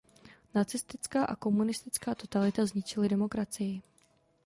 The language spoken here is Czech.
Nacistická a komunistická totalita zničily demokracii.